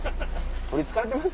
取りつかれてます